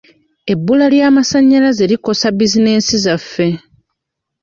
Ebbula ly'amasannyalaze likosa bizinensi zaffe.